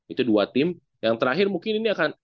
itu dua tim yang terakhir mungkin ini akan